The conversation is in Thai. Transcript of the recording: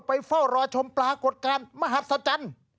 เฝ้ารอชมปรากฏการณ์มหัศจรรย์